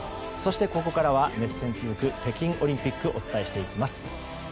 そして、ここからは熱戦続く北京オリンピックお伝えしていきます。